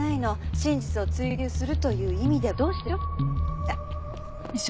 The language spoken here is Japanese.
真実を追究するという意味では同志でしょ？